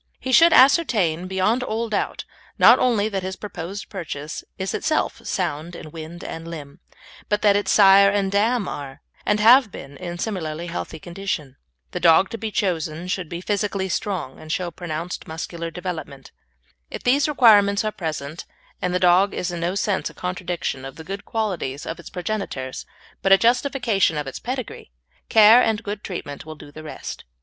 He should ascertain beyond all doubt, not only that his proposed purchase is itself sound in wind and limb, but that its sire and dam are, and have been, in similarly healthy condition. The dog to be chosen should be physically strong and show pronounced muscular development. If these requirements are present and the dog is in no sense a contradiction of the good qualities of its progenitors, but a justification of its pedigree, care and good treatment will do the rest.